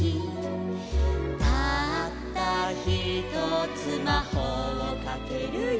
「たったひとつまほうをかけるよ」